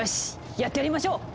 やってやりましょう！